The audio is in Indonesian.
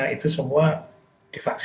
itu semua divaksin